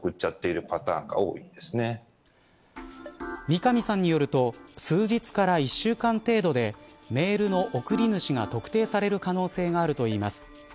三上さんによると数日から１週間程度でメールの送り主が特定される可能性があるといいます。